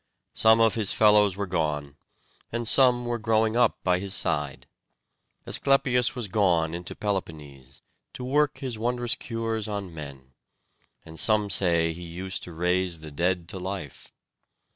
Some of his fellows were gone, and some were growing up by his side. Asclepius was gone into Peloponnese, to work his wondrous cures on men; and some say he used to raise the dead to life.